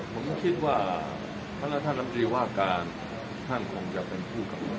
ผมคิดว่าธนทรรภาพรีวการท่านคงจะเป็นผู้กับมันเอง